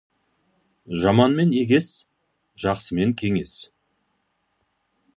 Жаманмен егес, жақсымен кеңес.